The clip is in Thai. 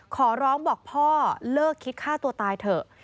ขอร้องบอกพ่อเลิกคิดฆ่าตัวตายเถอะ